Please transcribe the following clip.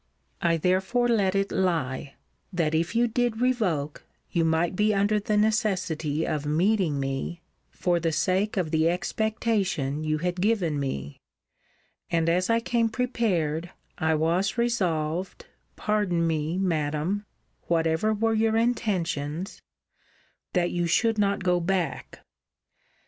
I therefore let it lie, that if you did revoke, you might be under the necessity of meeting me for the sake of the expectation you had given me: and as I came prepared, I was resolved, pardon me, Madam, whatever were your intentions, that you should not go back.